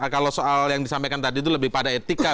kalau soal yang disampaikan tadi itu lebih pada etika